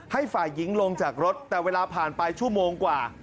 ให้ฝ่ายหญิงลงจากรถแต่เวลาผ่านไปชั่วโมงกว่า